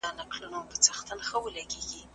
په لاس لیکلنه د خټو د پخولو په څیر دي.